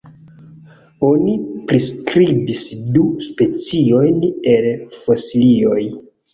Oni priskribis du speciojn el fosilioj.